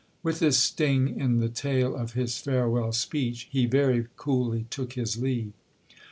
With this sting in the tail of his farewell speech he very coolly took his leave.